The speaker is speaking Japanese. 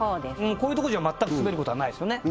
こういうとこじゃ全く滑ることはないすよね